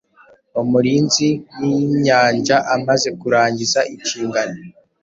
Umurinzi winyanjaamaze kurangiza inshingano